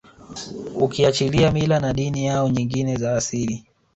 ukiachilia mila na dini yao nyngine za asili